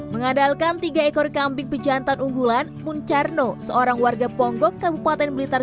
mengandalkan tiga ekor kambing pejantan unggulan muncarno seorang warga ponggok kabupaten blitar